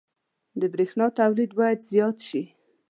• د برېښنا تولید باید زیات شي.